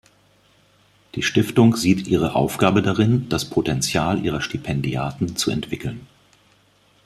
Die Stiftung sieht ihre Aufgabe darin, das Potenzial ihrer Stipendiaten zu entwickeln.